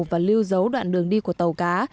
và lưu giấu đoạn đường đi của tàu cá